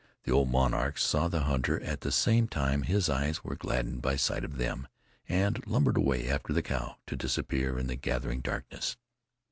The old monarchs saw the hunter at the same time his eyes were gladdened by sight of them, and lumbered away after the cow, to disappear in the gathering darkness.